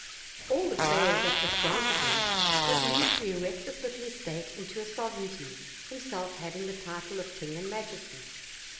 All the favor that was granted him was leave to erect this little estate into a sovereignty, himself having the title of king and majesty.